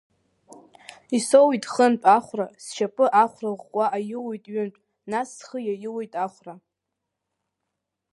Исоуит хынтә ахәра, сшьапы ахәра ӷәӷәа аиуит ҩынтә, нас схы иаиуит ахәра.